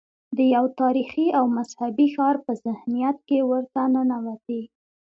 د یو تاریخي او مذهبي ښار په ذهنیت کې ورته ننوتي.